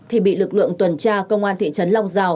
thì bị lực lượng tuần tra công an thị trấn long giao